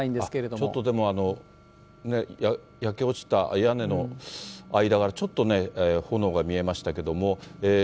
ちょっとでも、焼け落ちた屋根の間から、ちょっとね、炎が見えましたけども。